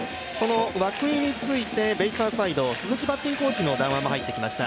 涌井についてベイスターズサイド、鈴木バッティングコーチの談話も入ってきました。